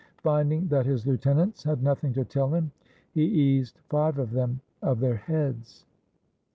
Finding that his lieutenants had nothing to tell him, he eased five of them of their heads.